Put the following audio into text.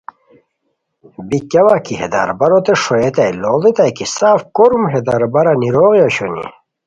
بی کیاوت کی ہے درباروت ݰوئیتائے لوڑیتائے کی سف کوروم ہے دربارا نیروغی اوشونی